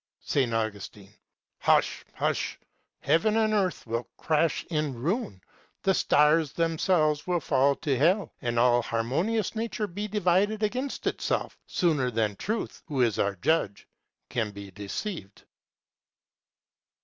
S. Augustine. Hush, hush. Heaven and earth will crash in ruin, the stars themselves will fall to hell, and all harmonious Nature be divided against itself, sooner than Truth, who is our Judge, can be deceived.